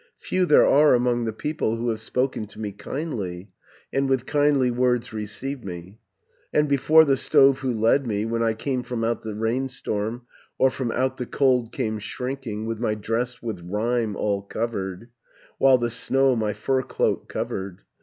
Few there are among the people Who have spoken to me kindly, And with kindly words received me, And before the stove who led me, When I came from out the rainstorm, Or from out the cold came shrinking, 840 With my dress with rime all covered, While the snow my fur cloak covered.